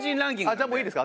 じゃあもういいですか？